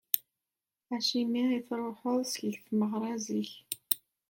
Acuɣer i tṛuḥ seg tmeɣra zik?